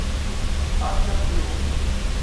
Beṛka ambiwel!